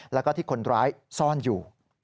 แล้วก็ที่คนร้ายซ่อนอยู่